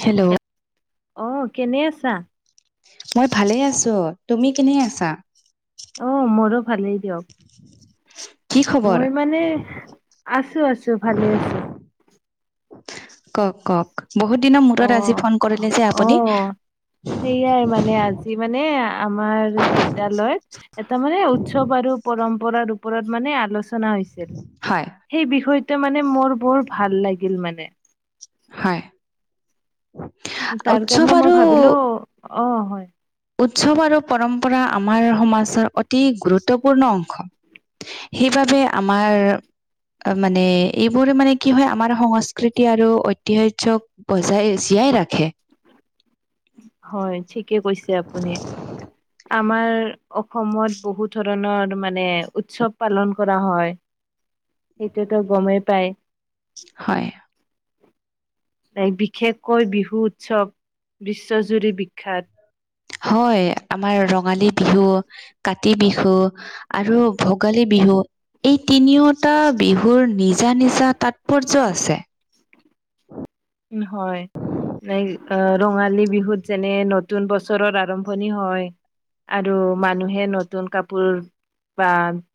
Hello! অঁ কেনে আছা? মই ভালে আছোঁ। তুমি কেনে আছা? অঁ, মোৰো ভালেই দিয়ক। কি খবৰ মই মানে আছোঁ, আছোঁ ভালে আছোঁ। কওঁক, কওঁক। বহুত দিনৰ অ মূৰত আজি ফোন কৰিলে যে অ আপুনি? সেইয়াই মানে, আজি মানে আ আমাৰ বিদ্যালয়ত এটা মানে উৎসৱ আৰু পৰম্পৰাৰ ওপৰত মানে আলোচনা হৈছিল হয় সেই বিষয়টো মানে মোৰ বৰ ভাল লাগিল মানে হয় তাৰ উৎসৱ কাৰণে মই আৰু ভাবিলো অ', হয় উৎসৱ আৰু পৰম্পৰা আমাৰ সমাজৰ অতি গুৰুত্বপূৰ্ণ অংশ সেইবাবে আমাৰ মানে এইবোৰ মানে কি হয় আমাৰ সংস্কৃতি আৰু ঐতিহাস্যক পইচাই চিয়াই ৰাখে হয়, ঠিকে কৈছে আপুনি আমাৰ অসমত বহুত ধৰণৰ মানে উৎসৱ পালন কৰা হয় সেইটোতো গমেই পায় হয় বিশেষকৈ বিহু উৎসৱ বিশ্বজুৰি বিখ্যাত হয়, আমাৰ ৰঙালী বিহু, কাতি বিহু আৰু ভোগালী বিহু এই তিনিওটা বিহুৰ নিজা নিজা তাৎপৰ্য আছে উম, হয় নাই অ', ৰঙালী বিহুত যেনে নতুন বছৰৰ আৰম্ভণি হয়। আৰু মানুহে নতুন কাপোৰ বা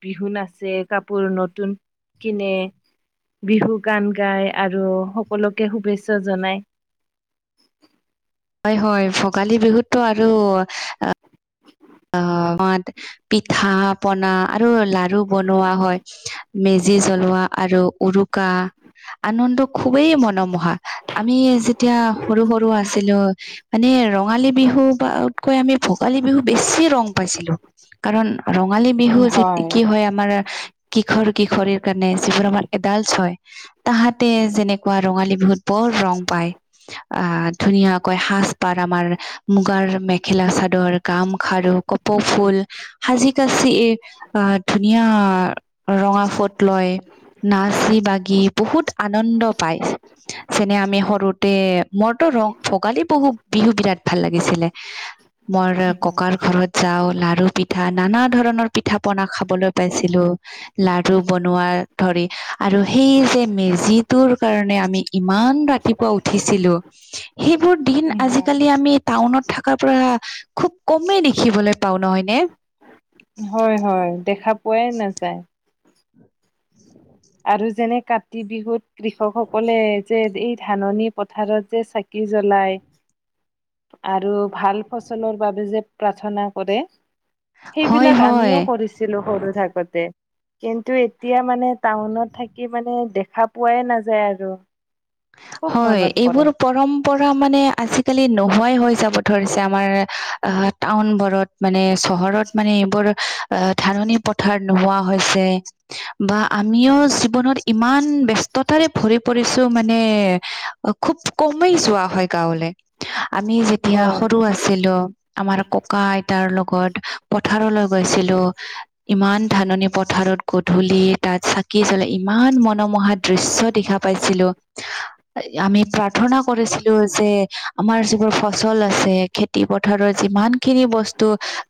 বিহু নাছে কাপোৰ নতুন কিনে বিহু গান গাই আৰু সকলোকে শুভেচ্ছা জনাই হয়- হয় ভোগালী বিহুতটো আৰু [inaudible] অ', মাদ পিঠা পনা আৰু লাৰু বনোৱা হয়। মেজি জ্বলোৱা আৰু উৰুকা আনন্দ খুবেই মনোমোহা আমি যেতিয়া সৰু - সৰু, আছিলোঁ মানে ৰঙালী বিহু বা কৈ আমি ভোগালী বিহু বেছি ৰং পাইছিলোঁ কাৰণ ৰঙালী বিহু যে কি হয় আমাৰ কিশোৰ কিশোৰীৰ কাৰণে যিবোৰ আমাৰ এডালচ হয় তাহাতে যেনেকুৱা ৰঙালী বহুত বৰ ৰং পায় আ, ধুনীয়াকৈ সাজ পাৰ আমাৰ মুগাৰ মেখেলা চাদৰ গামখাৰু, কপৌ ফুল, সাজি কাচি ধুনীয়া ৰঙা ফট লয় নাচি বাগি বহুত আনন্দ পাই যেনে আমি সৰুতে মোৰতো ৰ' ভোগালী বহু বিহু বিৰাট ভাল লাগিছিলে। মোৰ ককাৰ ঘৰত যাওঁ লাৰু পিঠা নানা ধৰণৰ পিঠা পনা খাবলৈ পাইছিলো। লাৰু বনোৱা ধৰি আৰু সেই যে মেজিটোৰ কাৰণে আমি ইমান ৰাতি ৰাতিপুৱা উঠিছিলোঁ। [inaudible] সেইবোৰ দিন হয় আজিকালি আমি টাউনত থাকা পৰা খুব কমেই দেখিবলৈ পাওঁ নহয় নে? হয় - হয়, দেখা পোৱাই নাযায়। [inaudible] আৰু যেনে কাতি বিহুত কৃষকসকলে যে এই ধাননি পথাৰত যে কি জ্বলায় আৰু ভাল ফচলৰ বাবে যে প্ৰাৰ্থনা কৰে হয় সেইবিলাক হয় আমিও কৰিছিলোঁ সৰু থাকোতে, কিন্তু এতিয়া মানে টাউনত থাকি মানে দেখা পোৱাই নাযায় আৰু। খুব হয় মনত পৰে এইবোৰ পৰম- পৰা মানে আজি-কালি নোহোৱাই হৈ যাব ধৰিছে আমাৰ আহ টাউন বোৰত মানে চহৰত মানে এইবোৰ অ ধাননি পথাৰত নোহোৱা হৈছে। বা আমিও জীৱনত ইমান ব্যস্ততাৰে ভৰি পৰিছো মা- নে খুব কমেই যোৱা হয় গাঁৱলে আমি যেতিয়া হয় সৰু আ- ছিলো আমাৰ ককা আইতাৰ লগত পথাৰলৈ গৈছিলো ইমান ধাননি পথাৰত গধূলি তাত চাকি জ্বলাই ইমান মনোমোহা দৃশ্য দেখা- পাইছিলো। আমি প্ৰাৰ্থনা কৰিছিলো যে আমাৰ যিবোৰ ফচল আছে খে- তি পথাৰৰ যিমান খিনি বস্তু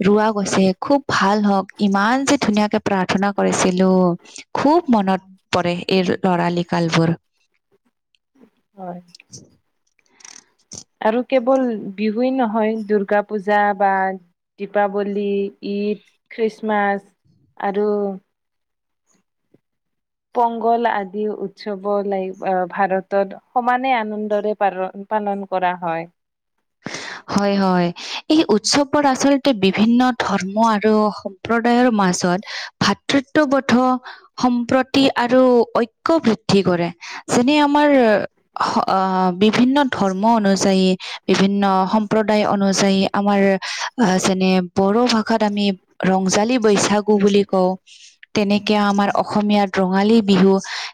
ৰোৱা গৈছে খুব ভাল হওঁক ইমান যে ধুনীয়াকে প্ৰাৰ্থনা কৰিছিলো খুব মনত পৰে এই লৰালি কালবোৰ হয় [unintelligible] আৰু কেৱল বিহুৱেই নহয় দূৰ্গা পূজা বা দীপাৱলী, ঈদ, খ্ৰীষ্টমাছ আৰু পংগল আদি উৎসৱ লাই আহ ভাৰতত সমানে আনন্দৰে পাৰ পালন কৰা হয়। [unintelligible] হয় হয় এই উৎসৱোৰ আচলতে বিভিন্ন ধৰ্ম আৰু সম্প্ৰদায়ৰ মাজত ভাতৃত্ববোধ সম্প্ৰতি আৰু ঐক্য বৃদ্ধি কৰে। যেনে আমাৰ হ অ বিভিন্ন ধৰ্ম অনুযায়ী বিভিন্ন সম্প্ৰদায় অনুযায়ী আমাৰ আহ যেনে বড়ো ভাষাত আমি ৰংজালী বৈছাগু বুলি কওঁ তেনেকে আমাৰ অসমীয়াত ৰঙালী বিহু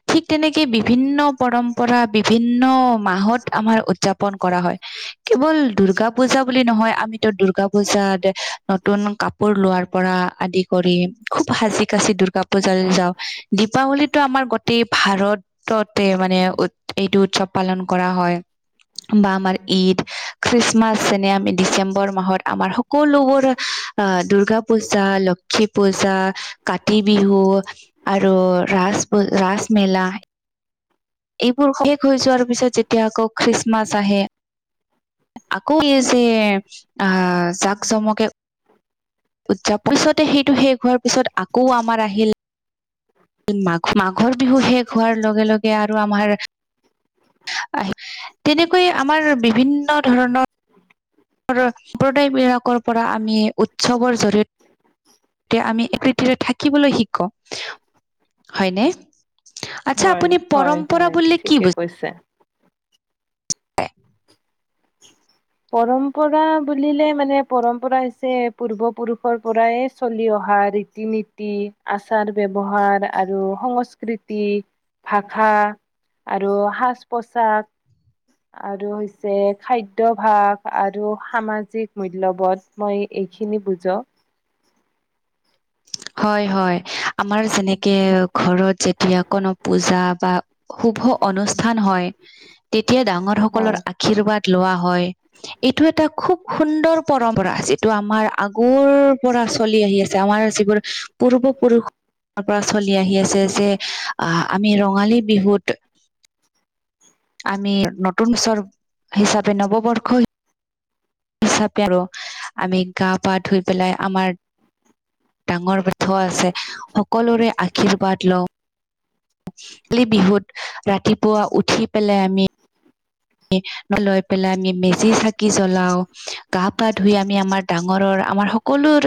ঠিক তেনেকে বিভিন্ন পৰম্- পৰা বিভিন্ন মাহত আমাৰ উদযাপন কৰা হয়। কেৱল দুৰ্গা পূজা বুলি নহয় আমিতো দুৰ্গা পূজাতে নতুন কা- পোৰ লোৱাৰ পৰা আদি কৰি খুব সাজি কাচি দূৰ্গা পূজালে যাওঁ। দীপাৱলীটো আমাৰ গোটেই ভাৰত- ততে মানে উৎ এইটো উৎসৱ পালন কৰা হয় বা আমাৰ ঈদ, খ্ৰীষ্টমাছ যেনে আমি ডিচেম্বৰ মাহত আমাৰ সকলোবোৰ আহ দুৰ্গা পূজা, ল- ক্ষী পূজা, কাতি বিহু আৰু ৰাজ পূ ৰাজ মেলা এইবোৰ শেষ হৈ যোৱাৰ পিছত যেতিয়া আকৌ খ্ৰীষ্টমাছ আহে আকৌ ইয়ে যে আ জাক জমকে উৎযাব পিছতে সেইটো শেষ হোৱাৰ পিছত আকৌ আমাৰ আহিল মাঘ মাঘৰ বিহু শেষ হোৱাৰ লগে লগে আৰু আমাৰ আহ তেনেকৈয়ে আমাৰ বিভিন্ন ধৰণৰ সম্প্ৰদায় বিলাকৰ পৰা আমি উৎসৱৰ জৰিয়- তে আমি প্ৰতিৰে থাকিবলৈ শিকো হয়নে আচ্ছা হয় আপুনি হয় পৰম্পৰা হয় বুললে কি ঠিকে বুজ- কৈছে পৰম্পৰা বুলিলে মানে পৰম্পৰা হৈছে পূৰ্বপুৰুষৰ পৰাই চলি অহা ৰী- ৰীতি-নীতি আচাৰ ব্যৱহাৰ আৰু সংস্কৃতি ভাষা আৰু সাজ-পোচাক আৰু হৈছে খাদ্য ভাৱ আৰু সামাজিক মূল্যবোধ মই এইখিনি বুজো [inaudible] হয় - হয়, আমাৰ যেনেকে ঘৰত যেতিয়া কোনো পূজা বা শুভ অনুষ্ঠান হয় তেতিয়া ডাঙৰ সকলৰ হয় আশীৰ্বাদ লোৱা হয় এইটো এটা খুব সুন্দৰ পৰম্পৰা যিটো আমাৰ আগৰ পৰা চলি আহি আছে আমাৰ যিবোৰ পূৰ্ব পুৰুষ পৰা চলি আহি আছে যে আহ আমি ৰঙালী বিহুত আমি নতুনচৰ হিচাপে নৱবৰ্ষ হিচাপে আৰু আমি গা পা ধুই পেলাই আমাৰ ডাঙৰ [unintelligible] আছে সকলোৰে আশীৰ্বাদ লও খালি বিহুত ৰাতিপুৱা উঠি পেলাই আমি [unintelligible] লৈ পেলাই আমি মেজি চাকি জ্বলাও গা পা ধুই আমি আমাৰ ডাঙৰৰ আমাৰ সকলোৰ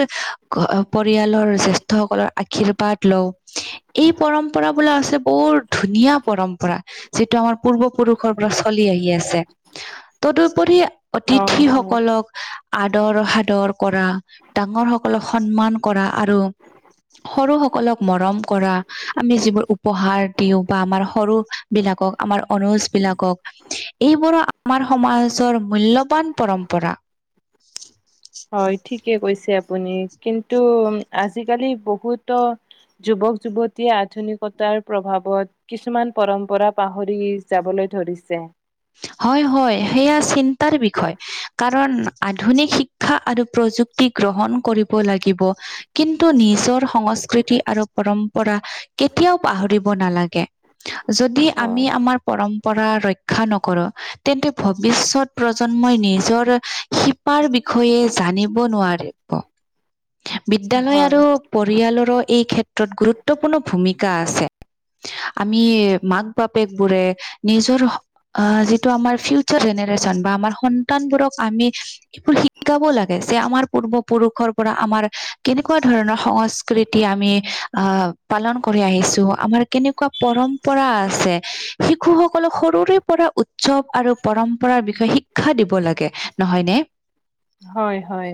পৰিয়ালৰ জেষ্ঠ্যসকলৰ আশীৰ্বাদ লওঁ এই পৰম্পৰা বোলা আছে বৰ ধুনীয়া পৰম্পৰা যিটো আাৰ পূৰ্বপুৰুষৰ পৰা চলি আহি [unintelligible] আছে তদুপৰি অ অতিথি হয় সকলক আদৰ সাদৰ কৰা ডাঙৰ সকলক সন্মান কৰা আৰু সৰু সকলক মৰম কৰা আমি যিবোৰ উপহাৰ দিওঁ বা আমাৰ সৰু বিলাকক আমাৰ অনজ বিলাকক এইবোৰো আমাৰ সমাজৰ মূল্যবান পৰম্পৰা। হয় ঠিকে কৈছে আপুনি কিন্তু আজিকালি বহুতো যুৱক যুৱতীয়ে আধুনিকতাৰ প্ৰভাৱত কিছুমান পৰম্পৰা পাহৰি যাবলৈ ধৰিছে। হয় - হয়, সেয়া চিন্তাৰ বিষয় কাৰণ আধুনিক শিক শিক্ষা আৰু প্ৰযুক্তি গ্ৰহণ কৰিব লাগিব কিন্তু নিজৰ সংস্কৃতি আৰু পৰম্পৰা কেতিয়াও পাহৰিব নালাগে যদি আমি হয়, আমাৰ পৰম্পৰা ৰক্ষা নক কৰ তেন্তে ভৱিষ্যত প্ৰজন্মই নিজৰ শিপাৰ বিষয়ে জানিব নোৱাৰিব। [inaudible] বিদ্যালয় হয়, আৰু পৰিয়ালৰো এই ক্ষেত্ৰত গুৰুত্বপূৰ্ণ ভূমিকা আছে আমি মাক বাপেক বোৰে নিজৰ অ', যিটো আমাৰ ফিউচাৰ জেনেৰেচন বা আমাৰ সন্তানবোৰক আমি এইবোৰ শিকাব লাগে যে আমাৰ পূৰ্বপুৰুষৰ পৰা আমাৰ কেনেকুৱা ধৰণৰ সংস্কৃ স্কৃতি আমি আহ পালন কৰি আহিছো আমাৰ কেনেকুৱা পৰম্পৰা আছে। শিশুসকলক সৰুৰে পৰা উৎসৱ আৰু পৰম্পৰাৰ বিষয়ে শিক্ষা দিব লাগে নহয়নে? হয় - হয়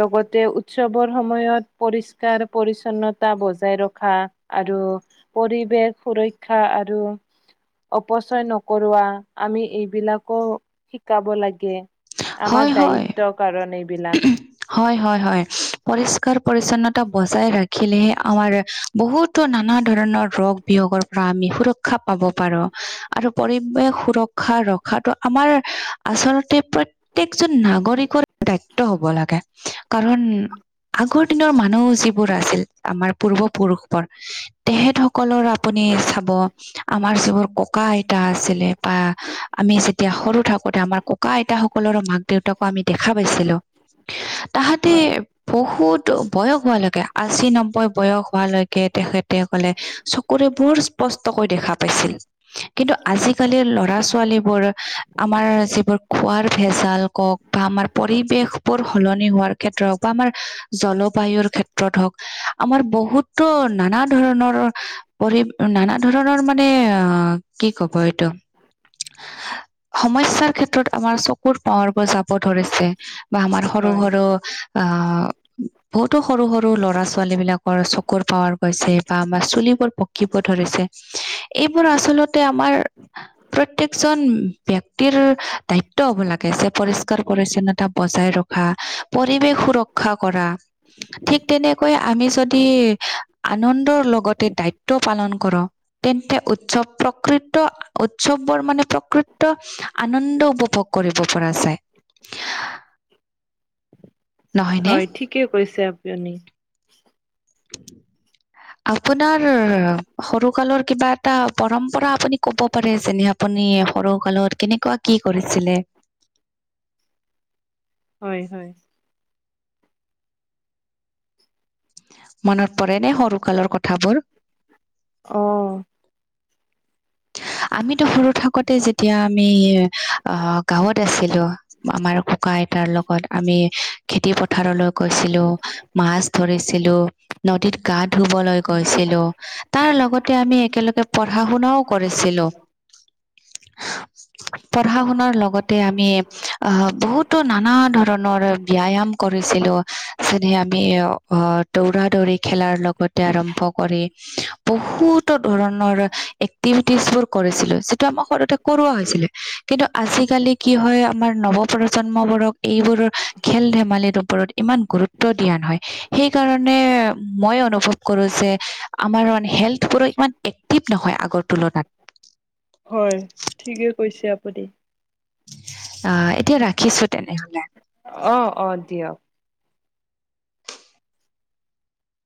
লগতে উৎসৱৰ সময়ত পৰিষ্কাৰ পৰিচ্ছন্নতা বজাই ৰখা আৰু পৰিৱেশ সুৰক্ষা আৰু অপচয় নকৰোৱা আমি এইবিলাকো শিকাব লাগে আমাৰ হয় হয় দায়িত্ব কাৰণ এইবিলাক হয় - হয় - হয়, পৰিষ্কাৰ পৰিচ্ছন্নতা বজাই ৰাখিলেহে আমাৰ বহুতো নানা ধৰণৰ ৰোগ বিয়োগৰ পৰা আমি সুৰক্ষা পাব পাৰো আৰু পৰিৱেশ সুৰক্ষ খা ৰখাটো আমাৰ আচলতে প্ৰত্যেকজন নাগৰিকৰ দায়িত্ব হ'ব লাগে কাৰণ আগৰ দিনৰ মানুহ যিবোৰ আছিল, আমাৰ পূৰ্বপুৰুষৰ। তেখেত সকলৰ আপুনি চাব। আমাৰ যিবোৰ ককা-আইতা আছিলে বা আমি যেতিয়া সৰু থাকোতে আমাৰ। ককা - আইতাসকলৰ মাক দেউতাকো আমি দেখা পাইছিলো তাহাঁতে। হয়, বহুত বয়স হোৱালৈকে আশী নম্বৈ বয়স হোৱালৈকে তেখেতে কলে চ। চকুৰে বহুত স্পষ্টকৈ দেখা পাইছিল। কিন্তু আজিকালিৰ ল'ৰা- ছোৱালীবোৰ আমাৰ যিবোৰ খোৱাৰ ভেজাল কওক। বা আমাৰ পৰিৱেশ বোৰ সলনি হোৱাৰ ক্ষেত্ৰত হওক বা আমাৰ জলবায়ুৰ ক্ষেত্ৰত হওঁক। আমাৰ বহুতো নানা ধৰণৰ। পঢ নানা ধৰণৰ মানে অ কি কব এইটো। সমস্যাৰ ক্ষেত্ৰত আমাৰ চকুৰ পৱৰব যাব ধৰিছে। বা আমাৰ সৰু হয়, সৰু আহ। বহুতো সৰু সৰু ল'ৰা ছোৱালী বিলাকৰ চকুৰ পাৱাৰ গৈছে বা আমাৰ চুলিবোৰ পকিব ধৰিছে। এইবোৰ আচলতে আমাৰ। প্ৰত্যেকজন ব্যক্তিৰ দায়িত্ব হ'ব লাগে পৰিষ্কাৰ। পৰিচ্ছন্নতা বজাই ৰখা, পৰিৱেশ সুৰক্ষা কৰা। ঠিক তেনেকৈ আমি যদি আনন্দৰ লগতে দায়িত্ব পালন কৰো। তেন্তে উৎসৱ প্ৰকৃত উৎসৱ বৰ মানে প্ৰকৃত। আনন্দ উপভোগ কৰিব পৰা যায়। নহয়নে হয় ঠিকে কৈছে আপনি। [inaudible] আপোনাৰ সৰু কালৰ কিবা এটা পৰম্পৰা আপুনি ক'ব পাৰে যেনে। আপুনি সৰু কালত কেনেকুৱা কি কৰিছিলে? হয় হয়। মনত পৰে নে সৰু কালৰ কথাবোৰ? অঁ। আমিতো সৰু থাকোতে যেতিয়া আমি অ' গাঁৱত আছিলো। আমাৰ কুকা আইতাৰ লগত আমি খেতি পথাৰলৈ গৈছিলো। মাছ ধৰিছিলোঁ। নদীত গা ধুবলৈ গৈছিলো, তাৰ লগতে আমি একেলগে পঢ়া শুনাও কৰিছিল। [inaudible] [inaudible] পঢ়া শুনাৰ লগতে আমি আহ বহুতো নানা ধৰণৰ ব্যায়াম কৰিছিলো। যেনে আমি আহ দৌৰা - দৌৰি খেলাৰ লগতে আৰম্ভ কৰি। বহুতো ধৰণৰ এক্টিভি। বোৰ কৰিছিলো যিটো আমাক সৰুতে কৰোৱা হৈছিলে কিন্তু আজিকালি কি হয় আমাৰ নৱপ। প্ৰ জন্মবোৰক এইবোৰৰ খেল ধেমালিৰ ওপৰত ইমান গুৰুত্ব দিয়া নহয়। সেইকাৰণে মই অনুভৱ কৰোঁ যে আমাৰ হেল্থবোৰো ইমান এক্টিভ নহয় আগত। তুলনাত। হয়, ঠিকে কৈছে আপুনি। অ' এতিয়া ৰাখিছো তেনেহলে। অ' অ' দিয়ক।